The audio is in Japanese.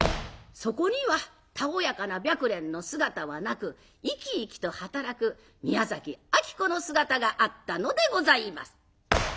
そこにはたおやかな白蓮の姿はなく生き生きと働く宮崎子の姿があったのでございます。